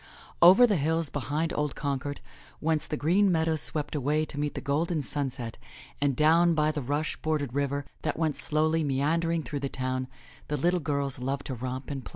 Over the hills behind old Concord, whence the green meadows swept away to meet the golden sunset, and down by the rush bordered river that went slowly meandering through the town, the little girls loved to romp and play.